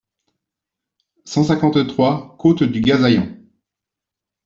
cent cinquante-trois côte du Gasaillant